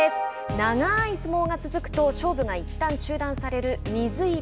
長い相撲が続くと勝負がいったん中断される水入り。